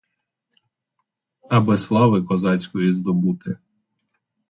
Аби слави козацької здобути!